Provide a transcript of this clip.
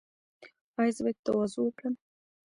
ایا زه باید تواضع وکړم؟